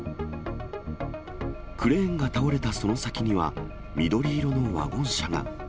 クレーンが倒れたその先には、緑色のワゴン車が。